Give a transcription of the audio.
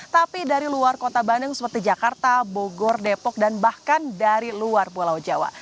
tapi dari luar kota bandung seperti jakarta bogor depok dan bahkan dari luar pulau jawa